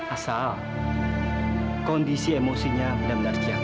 asal kondisi emosinya benar benar siap